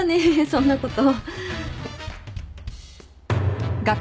そんなこと。